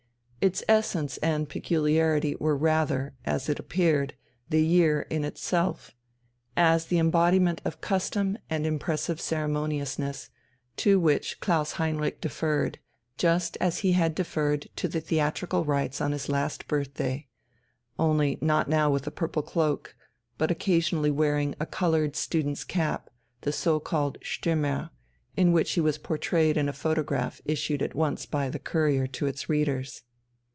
Its essence and peculiarity were rather, as it appeared, the year in itself, as the embodiment of custom and impressive ceremoniousness, to which Klaus Heinrich deferred, just as he had deferred to the theatrical rites on his last birthday only now not with a purple cloak, but occasionally wearing a coloured student's cap, the so called "Stürmer," in which he was portrayed in a photograph issued at once by the Courier to its readers.